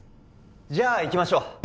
じゃあいきましょう